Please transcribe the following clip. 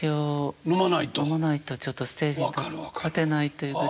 飲まないとちょっとステージに立てないというぐらい。